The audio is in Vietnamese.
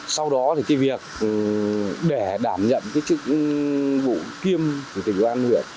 sau đó thì cái việc để đảm nhận cái chữ bụi kim của tỉnh ubnd huyện